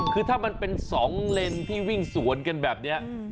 คือถ้ามันเป็น๒เลนที่วิ่งสวนกันแบบนี้